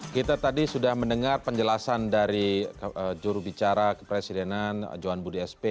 kita tadi sudah mendengar penjelasan dari jurubicara kepresidenan johan budi sp